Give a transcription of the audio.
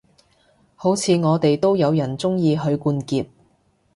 好似我哋都有人鍾意許冠傑